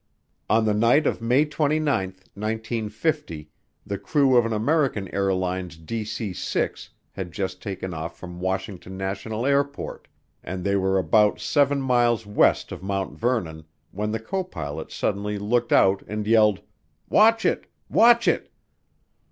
On the night of May 29, 1950, the crew of an American Airlines DC 6 had just taken off from Washington National Airport, and they were about seven miles west of Mount Vernon when the copilot suddenly looked out and yelled, "Watch it watch it."